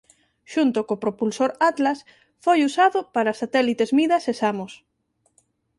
Xunto co propulsor Atlas foi usado para satélites Midas e Samos.